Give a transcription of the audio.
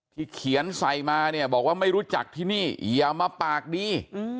เขียนใส่มาเนี่ยบอกว่าไม่รู้จักที่นี่อย่ามาปากดี